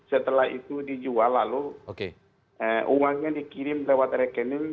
setelah itu dijual lalu uangnya dikirim lewat rekening